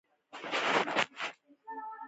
د تخمدان د درد لپاره باید څه وکړم؟